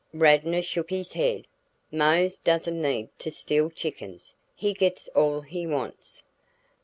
Radnor shook his head. "Mose doesn't need to steal chickens. He gets all he wants."